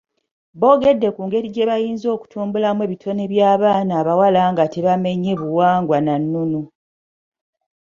Boogedde ku ngeri gye bayinza okutumbulamu ebitone by'abaana abawala nga tebamenye buwangwa na nnono.